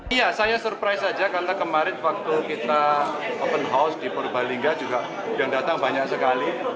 iya saya surprise saja karena kemarin waktu kita open house di purbalingga juga yang datang banyak sekali